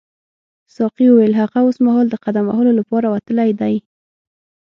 ساقي وویل هغه اوسمهال د قدم وهلو لپاره وتلی دی.